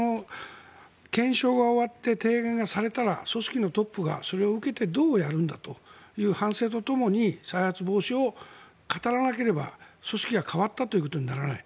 検証が終わって、提言がされたら組織のトップがそれを受けてどうやるんだという反省とともに再発防止を語らなければ組織が変わったということにならない。